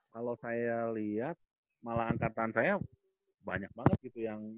kalau saya lihat malah angkatan saya banyak banget gitu